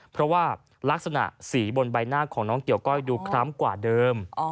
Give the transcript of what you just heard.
เพราะว่าลักษณะสีบนใบหน้าของน้องเกี่ยวก้อยดูคล้ำกว่าเดิม